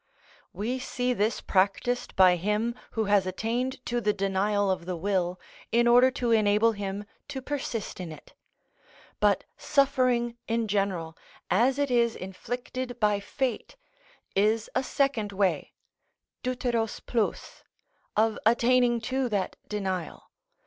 We see this practised by him who has attained to the denial of the will in order to enable him to persist in it; but suffering in general, as it is inflicted by fate, is a second way (δευτερος πλους(87)) of attaining to that denial.